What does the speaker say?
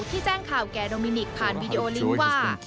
แจ้งข่าวแก่โรมินิกผ่านวีดีโอลิงค์ว่า